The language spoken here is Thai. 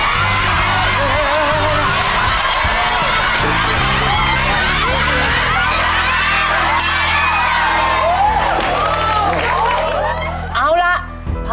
เยี่ยม